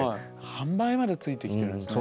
販売までついてきてるんですね。